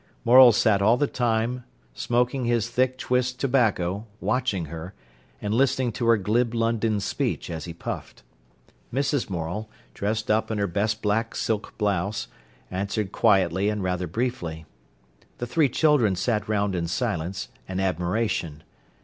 Morel sat all the time smoking his thick twist tobacco, watching her, and listening to her glib London speech, as he puffed. Mrs. Morel, dressed up in her best black silk blouse, answered quietly and rather briefly. The three children sat round in silence and admiration.